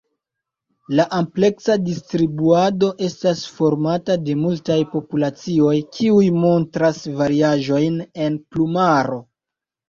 La ampleksa distribuado estas formata de multaj populacioj kiuj montras variaĵojn en plumaro.